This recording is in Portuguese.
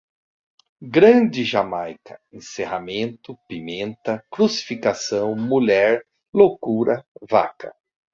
grande, jamaica, encerramento, pimenta, crucificação, mulher, loucura, vaca